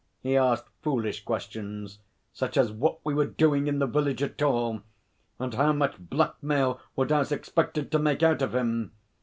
He asked foolish questions such as what we were doing in the village at all, and how much blackmail Woodhouse expected to make out of him.